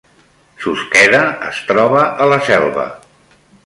Susqueda es troba a la Selva